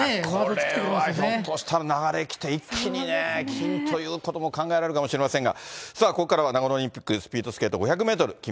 これはひょっとしたら流れ来て、一気にね、金ということも考えられるかもしれませんが、さあ、ここからは長野オリンピックスピードスケート５００メートル